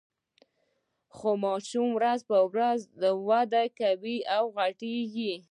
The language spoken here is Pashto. خو ماشوم ورځ په ورځ وده کوي او غټیږي.